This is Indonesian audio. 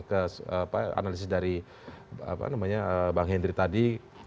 kalau sesuai dengan analisis dari bang hendri tadi